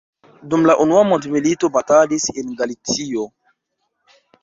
Dum la unua mondmilito batalis en Galicio.